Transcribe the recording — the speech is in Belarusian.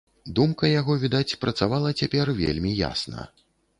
Думка яго, відаць, працавала цяпер вельмі ясна.